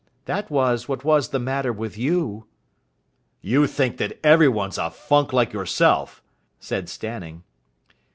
That was what was the matter with you." "You think that every one's a funk like yourself," said Stanning.